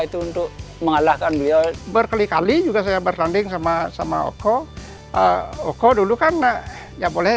itu untuk mengalahkan beliau berkeli keli juga saya bertanding sama sama oka oka dulu karena ya boleh